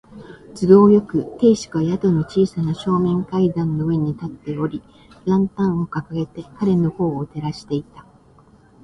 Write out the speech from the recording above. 都合よく、亭主が宿の小さな正面階段の上に立っており、ランタンをかかげて彼のほうを照らしていた。